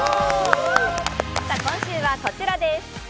今週はこちらです。